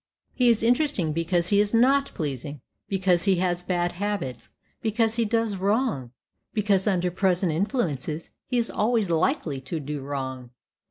He is interesting because he is not pleasing; because he has bad habits; because he does wrong; because, under present influences, he is always likely to do wrong.